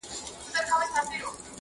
یا دي ولولم د میني زر لیکونه -